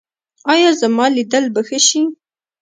ایا زما لیدل به ښه شي؟